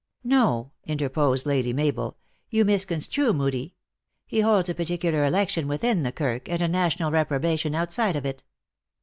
"No," interposed Lady Mabel. " You misconstrue Moodie. He holds a particular election within the Kirk, and a national reprobation outside of it."